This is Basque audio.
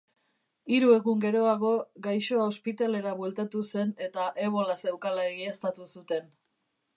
Hiru egun geroago, gaixoa ospitalera bueltatu zen eta ebola zeukala egiaztatu zuten.